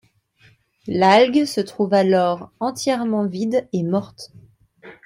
L'algue se trouve alors entièrement vide et morte.